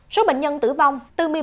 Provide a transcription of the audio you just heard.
số bệnh nhân tử vong